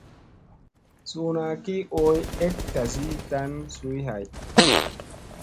Suuna ki ooy ek tasi tan suy hay.